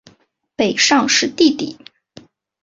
北尚是弟弟。